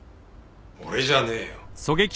俺じゃねえよ。